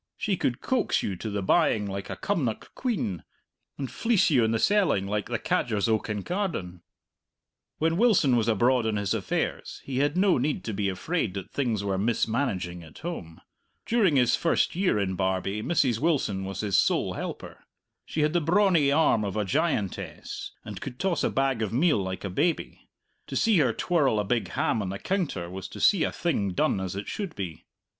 She could coax you to the buying like a Cumnock quean, and fleece you in the selling like the cadgers o' Kincardine. When Wilson was abroad on his affairs he had no need to be afraid that things were mismanaging at home. During his first year in Barbie Mrs. Wilson was his sole helper. She had the brawny arm of a giantess, and could toss a bag of meal like a baby; to see her twirl a big ham on the counter was to see a thing done as it should be.